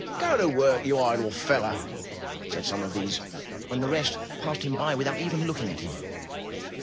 ''Go to work, you idle fellow,'* said some of these; and the rest passed him by without even looking at him.